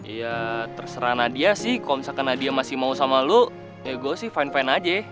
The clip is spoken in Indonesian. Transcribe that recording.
ya terserah nadia sih kalau misalkan dia masih mau sama lo ya gue sih fine fine aja